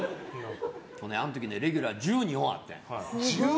あの時ねレギュラー１２本あった。